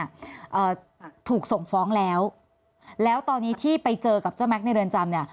อ่าถูกส่งฟ้องแล้วแล้วตอนนี้ที่ไปเจอกับเจ้าแม็กซในเรือนจำเนี้ย